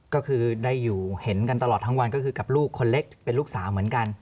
ก็คือได้อยู่เห็นกันตลอดทั้งวันก็คือกับลูกคนเล็กเป็นลูกสาวเหมือนกัน